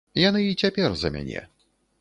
Яны і цяпер за мяне.